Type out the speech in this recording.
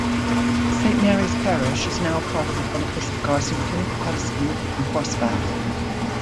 Saint Mary's parish is now part of the Benefice of Garsington, Cuddesdon and Horspath.